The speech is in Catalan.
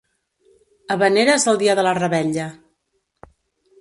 Havaneres el dia de la revetlla.